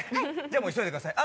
じゃあ急いでください